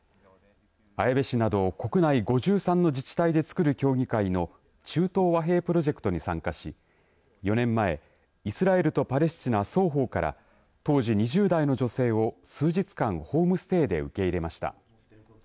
綾部市など国内５３の自治体でつくる協議会の中東和平プロジェクトに参加し４年前、イスラエルとパレスチナ双方から当時２０代の女性を数日間、ホームステイで受け入れました。